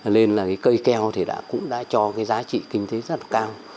nên là cái cây keo thì cũng đã cho cái giá trị kinh tế rất là cao